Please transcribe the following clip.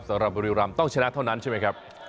สำหรับบุรีรำต้องชนะเท่านั้นใช่ไหมครับ